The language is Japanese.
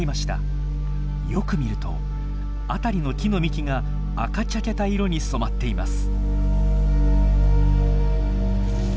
よく見ると辺りの木の幹が赤茶けた色に染まっています。